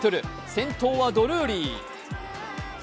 先頭はドルーリー。